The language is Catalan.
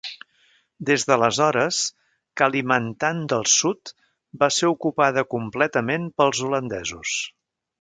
Des d'aleshores, Kalimantan del Sud va ser ocupada completament pels holandesos.